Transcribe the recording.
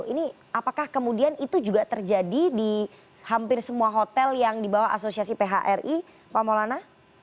ini apakah kemudian itu juga terjadi di hampir semua hotel yang dibawa asosiasi phri pak maulana